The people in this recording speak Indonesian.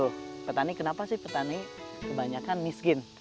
jadi itu petani kenapa sih petani kebanyakan miskin